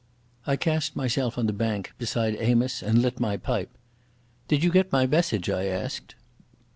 I cast myself on the bank beside Amos and lit my pipe. "Did you get my message?" I asked.